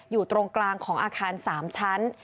อยู่ตรงกลางของอาคาร๓ชั้น